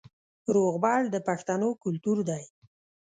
روغبړ د پښتنو کلتور دی